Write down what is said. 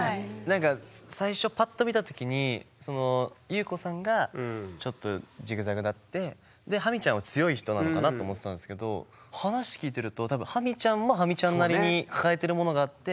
なんか最初パッと見たときにその裕子さんがちょっとジグザグなってでハミちゃんは強い人なのかなって思ってたんですけど話聞いてると多分ハミちゃんもハミちゃんなりに抱えてるものがあって。